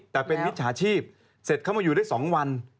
แต่เป็นมิจฉาชีพเสร็จเข้ามาอยู่ได้๒วัน